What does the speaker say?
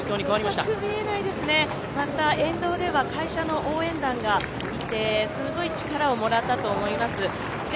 また、沿道では会社の応援団がいてすごい力をもらったと思います。